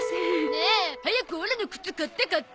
ねえ早くオラの靴買って買って。